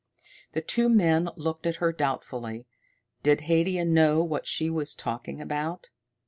The two men looked at her doubtfully. Did Haidia know what she was talking about?